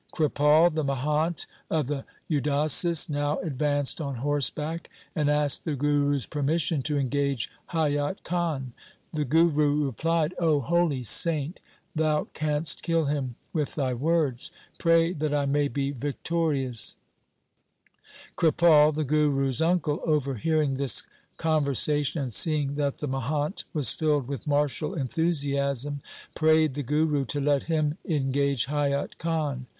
Kripal, the mahant of the Udasis, now advanced on horseback, and asked the Guru's permission to engage Haiyat Khan. The Guru replied, ' O holy saint, (hou canst kill him with thy words. Pray that I may LIFE OF GURU GOBIND SINGH 39 be victorious.' Kripal, the Guru's uncle, over hearing this conversation, and seeing that the mahant was filled with martial enthusiasm, prayed the Guru to let him engage Haiyat Khan.